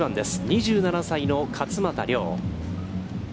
２７歳の勝俣陵。